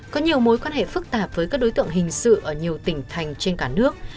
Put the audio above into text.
có nhiều mối quan hệ phức tạp với các đối tượng hình sự ở nhiều tỉnh thành trên cả nước